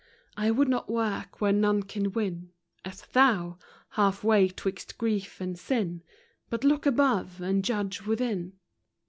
I would not work where none can win, As thou ,— half way 'twixt grief and sin, But look above, and judge within.